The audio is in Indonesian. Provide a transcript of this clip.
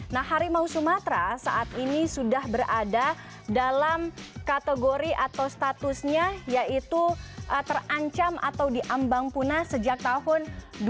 nah harimau sumatera saat ini sudah berada dalam kategori atau statusnya yaitu terancam atau diambang punah sejak tahun dua ribu